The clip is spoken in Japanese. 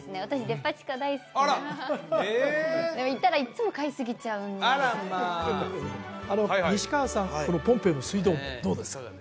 私でも行ったらいっつも買いすぎちゃうんですよね